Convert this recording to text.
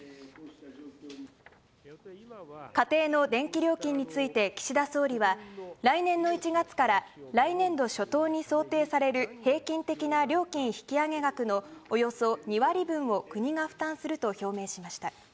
家庭の電気料金について岸田総理は、来年の１月から来年度初頭に想定される平均的な料金引き上げ額のおよそ２割分を国が負担すると表明しました。